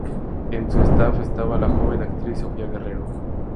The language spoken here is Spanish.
En su staff estaba la joven actriz Sofía Guerrero.